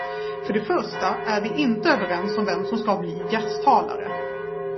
För det första är vi inte överens om vem som ska bli gästtalare.